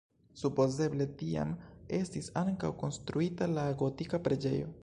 Supozeble tiam estis ankaŭ konstruita la gotika preĝejo.